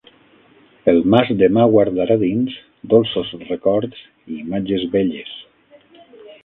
El mas demà guardarà dins, dolços records i imatges belles.